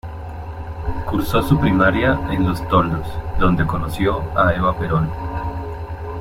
Cursó su primaria en Los Toldos, donde conoció a Eva Perón.